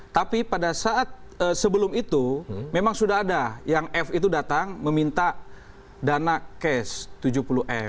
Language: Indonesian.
tapi pada saat sebelum itu memang sudah ada yang f itu datang meminta dana cash tujuh puluh f